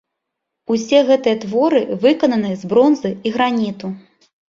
Усе гэтыя творы выкананы з бронзы і граніту.